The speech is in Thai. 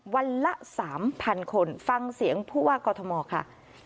วันละ๓๐๐คนฟังเสียงผู้ว่ากอทมค่ะ